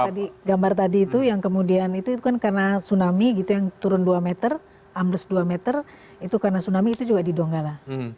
tadi gambar tadi itu yang kemudian itu kan karena tsunami gitu yang turun dua meter ambles dua meter itu karena tsunami itu juga di donggala